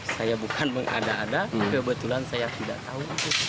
saya bukan mengada ada kebetulan saya tidak tahu